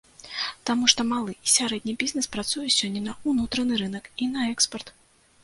Таму што малы і сярэдні бізнэс працуе сёння на ўнутраны рынак і на экспарт.